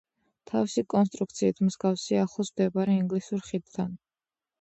თავისი კონსტრუქციით მსგავსია ახლოს მდებარე ინგლისურ ხიდთან.